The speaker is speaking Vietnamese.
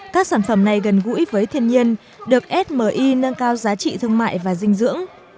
các sản phẩm này gần gũi với thiên nhiên được smi nâng cao giá trị thương mại và dinh dưỡng